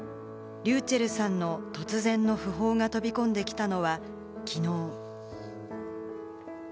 ｒｙｕｃｈｅｌｌさんの突然の訃報が飛び込んできたのはきのう。